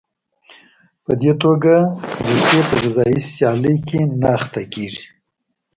په دې توګه ریښې په غذایي سیالۍ کې نه اخته کېږي.